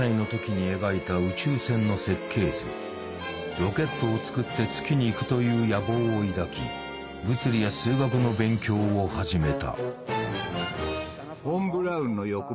ロケットを作って月に行くという野望を抱き物理や数学の勉強を始めた。